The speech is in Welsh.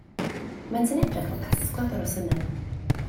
Maent yn edrych fel casgliad o rosynnau